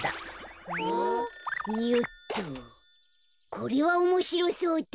これはおもしろそうだ。